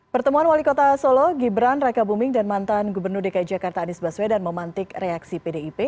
pertemuan wali kota solo gibran raka buming dan mantan gubernur dki jakarta anies baswedan memantik reaksi pdip